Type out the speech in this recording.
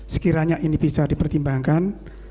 sekiranya ini bisa dipertimbangkan